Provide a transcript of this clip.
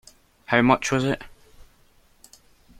How much was it.